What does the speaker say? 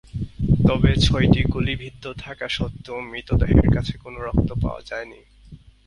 তবে ছয়টি গুলি বিদ্ধ থাকা সত্ত্বেও মৃতদেহের কাছে কোনও রক্ত পাওয়া যায়নি।